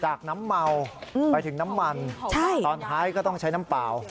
น้ำเมาไปถึงน้ำมันตอนท้ายก็ต้องใช้น้ำเปล่า